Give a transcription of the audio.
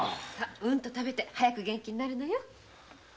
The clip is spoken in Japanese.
うんと食べて元気になるのよ。